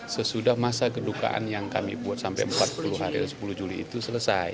sesudah masa kedukaan yang kami buat sampai empat puluh hari sepuluh juli itu selesai